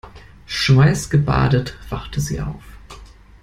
Schweißgebadet wachte sie auf.